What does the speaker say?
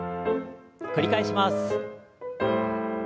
繰り返します。